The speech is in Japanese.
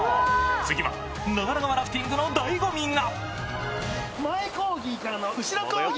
次は長良川ラフティングのだいごみが。